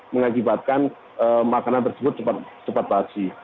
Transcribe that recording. mengakibatkan makanan tersebut cepat basi